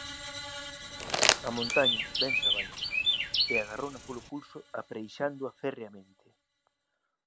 A montaña vénse abaixo” E agarrouna polo pulso apreixándoa ferreamente.